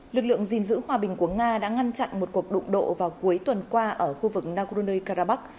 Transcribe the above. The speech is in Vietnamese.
lực lượng gìn giữ hòa bình của nga đã ngăn chặn một cuộc đụng độ vào cuối tuần qua ở khu vực nagorno karabakh